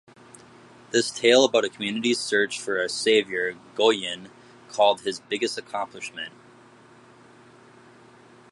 This tale about a community's search for a savior Goyen called his "biggest accomplishment".